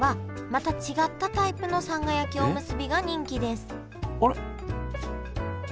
また違ったタイプのさんが焼きおむすびが人気ですあれ？